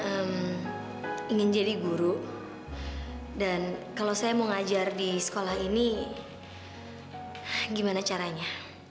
saya ingin jadi guru dan kalau saya mau ngajar di sekolah ini gimana caranya